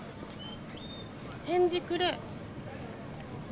返事くれ。